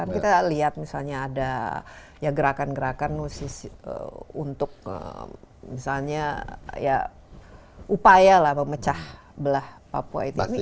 kita lihat misalnya ada gerakan gerakan untuk misalnya upaya mecah belah papua